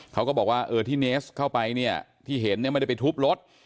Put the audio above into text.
เขาก็บอกว่าที่เนสเข้าไปที่เห็นมันได้ไปทุบรถ